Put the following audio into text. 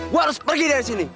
gue harus pergi dari sini